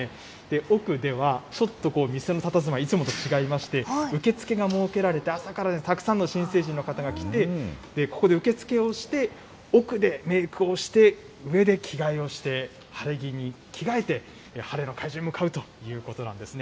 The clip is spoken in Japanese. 奥では、ちょっと店のたたずまい、いつもと違いまして、受付が設けられて、朝からたくさんの新成人の方が来て、ここで受け付けをして、奥でメークをして、上で着替えをして、晴れ着に着替えて、晴れの会場に向かうということなんですね。